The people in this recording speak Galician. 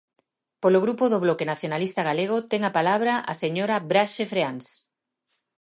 Polo Grupo do Bloque Nacionalista Galego, ten a palabra a señora Braxe Freáns.